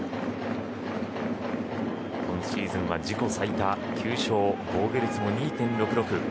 今シーズンは自己最多の９勝防御率も２．６６。